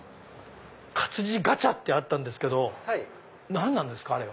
活字ガチャってあったんですけど何なんですか？